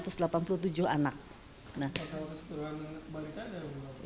total kesetuaan balita ada